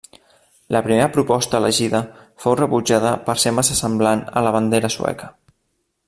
La primera proposta elegida fou rebutjada per ser massa semblant a la bandera sueca.